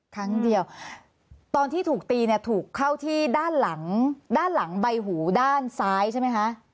ครั้งเดียวตอนที่ถูกตีเนี่ยถูกเข้าที่ด้านหลังด้านหลังใบหูด้านซ้ายใช่ไหมคะ